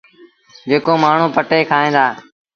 جيڪو مآڻهوٚݩ پٽي کائيٚݩ دآ۔